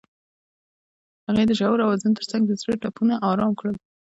هغې د ژور اوازونو ترڅنګ د زړونو ټپونه آرام کړل.